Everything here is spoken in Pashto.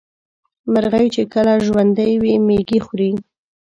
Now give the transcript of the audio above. مرغۍ چې کله ژوندۍ وي مېږي خوري.